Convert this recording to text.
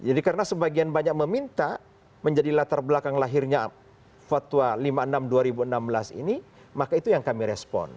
jadi karena sebagian banyak meminta menjadi latar belakang lahirnya fatwa lima enam dua ribu enam belas ini maka itu yang kami respon